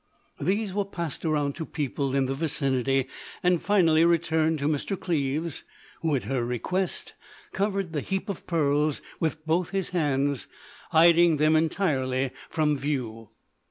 These were passed around to people in the vicinity, and finally returned to Mr. Cleves, who, at her request, covered the heap of pearls with both his hands, hiding them entirely from view.